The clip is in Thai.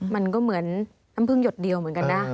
มันก็เหมือนน้ำพึ่งหยดเดียวเหมือนกันนะ